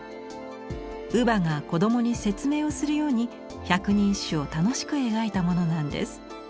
乳母が子供に説明をするように「百人一首」を楽しく描いたものなんです。